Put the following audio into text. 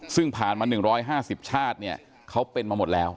ซึ่งผ่านมา๑๕๐ชาติเนี่ยเขาเป็นมาหมดแล้ว